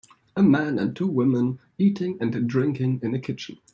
A man and two women eating and drinking in a kitchen.